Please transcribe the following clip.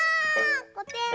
こてん。